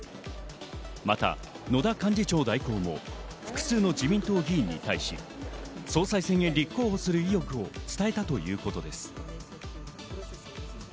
また、野田幹事長代行も複数の自民党議員に対し、総裁選へ立候補する意欲を伝えたということです。